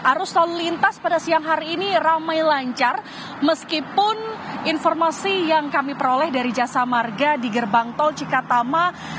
arus lalu lintas pada siang hari ini ramai lancar meskipun informasi yang kami peroleh dari jasa marga di gerbang tol cikatama